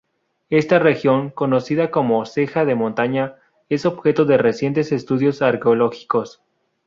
Esta región, conocida como ceja de montaña, es objeto de recientes estudios arqueológicos.